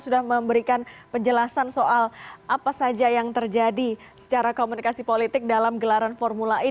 sudah memberikan penjelasan soal apa saja yang terjadi secara komunikasi politik dalam gelaran formula e